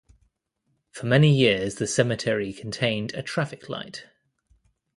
For many years the cemetery contained a traffic light.